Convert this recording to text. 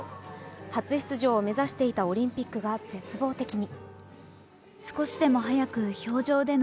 初出場を目指していたオリンピックが絶望的に。